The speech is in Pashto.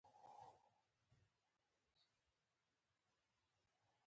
کلتور د افغان ځوانانو د هیلو استازیتوب کوي.